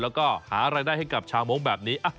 แล้วก็หารายได้ให้กับชาวโม้งแบบนี้